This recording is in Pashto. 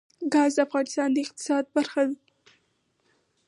ګاز د افغانستان د اقتصاد برخه ده.